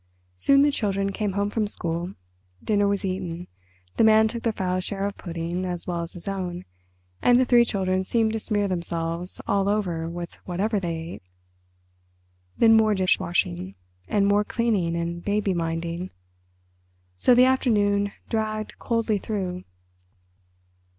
Soon the children came home from school, dinner was eaten, the Man took the Frau's share of pudding as well as his own, and the three children seemed to smear themselves all over with whatever they ate. Then more dish washing and more cleaning and baby minding. So the afternoon dragged coldly through.